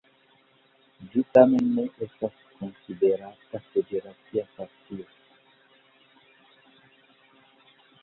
Ĝi tamen ne estas konsiderata federacia partio.